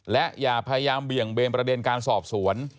และอย่าพยายามเบี่ยงเบนประเด็นการสอบสวน